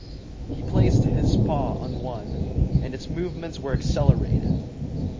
He placed his paw on one, and its movements were accelerated.